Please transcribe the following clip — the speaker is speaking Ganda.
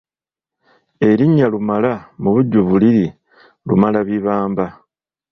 Erinnya Lumala mu bujjuvu liri Lumalabibamba.